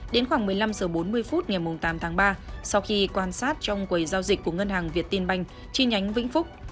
đến khoảng một mươi năm h bốn mươi phút ngày tám tháng ba sau khi quan sát trong quầy giao dịch của ngân hàng việt tiên banh chi nhánh vĩnh phúc